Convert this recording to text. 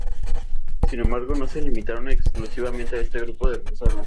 Sin embargo, no se limitaron exclusivamente a este grupo de personas.